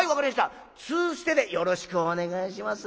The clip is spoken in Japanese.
２ステでよろしくお願いします。